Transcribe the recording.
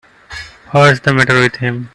What's the matter with him.